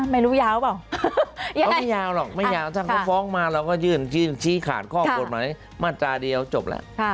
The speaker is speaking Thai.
ไม่รู้ยาวหรือเปล่าไม่ยาวหรอกถ้าเขาฟ้องมาเราก็ยื่นชี้ขาดกฎหมายมาตราเดียวจบแล้ว